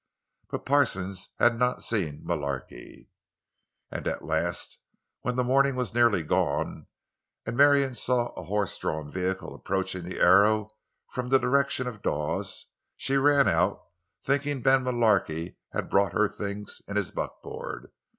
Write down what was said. But Parsons had not seen Mullarky. And at last, when the morning was nearly gone, and Marion saw a horse drawn vehicle approaching the Arrow from the direction of Dawes, she ran out, thinking Ben Mullarky had brought her "things" in his buckboard.